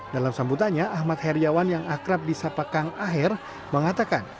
dalam sambutannya ahmad heriawan yang akrab di sapakang akhir mengatakan